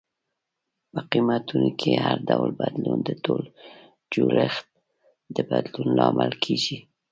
په قیمتونو کې هر ډول بدلون د ټول جوړښت د بدلون لامل کیږي.